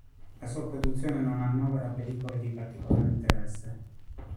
La sua produzione non annovera pellicole di particolare interesse.